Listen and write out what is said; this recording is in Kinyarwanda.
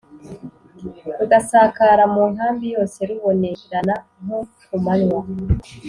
rugasakara mu nkambi yose rubonerana nko ku manywa.